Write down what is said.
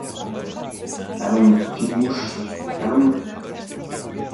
Allons, fine mouche… allons !…